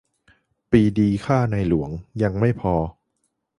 "ปรีดีฆ่าในหลวง !" ยังไม่พอ